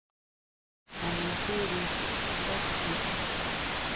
¿A mejenri ndá axi?